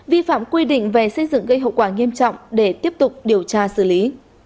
vi phạm quy định về xây dựng gây hậu quả nghiêm trọng để tiếp tục điều tra xử lý